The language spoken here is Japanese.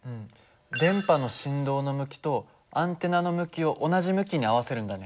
電波の振動の向きとアンテナの向きを同じ向きに合わせるんだね。